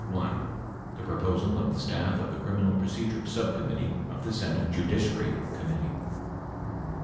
1 (the proposal of the staff of the Criminal Procedure Subcommittee of the Senate Judiciary Committee)